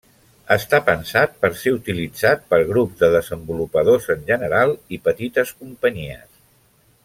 Està pensat per ser utilitzat per grups de desenvolupadors en general i petites companyies.